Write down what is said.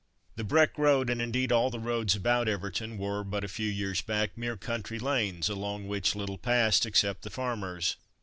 The Breck road, and indeed all the roads about Everton were, but a few years back, mere country lanes, along which little passed except the farmers.